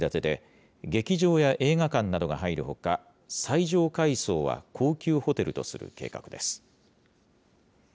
地上４８階建てで、劇場や映画館などが入るほか、最上階層は高級ホテルとする計画です。